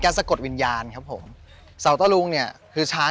ชื่องนี้ชื่องนี้ชื่องนี้ชื่องนี้ชื่องนี้ชื่องนี้